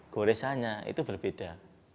goresannya itu berbeda